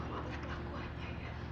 lalu tak laku aja ya